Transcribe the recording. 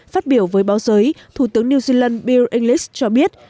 phát biểu với báo giới thủ tướng new zealand buil english cho biết